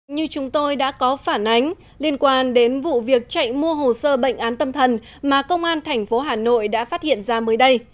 như chúng tôi đã có phản ánh liên quan đến vụ việc chạy mua hồ sơ bệnh án tâm thần mà công an tp hà nội đã phát hiện ra mới đây